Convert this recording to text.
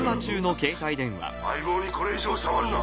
相棒にこれ以上触るな。